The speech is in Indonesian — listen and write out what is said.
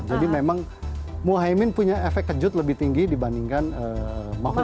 jadi memang mohaimin punya efek kejut lebih tinggi dibandingkan mahfud md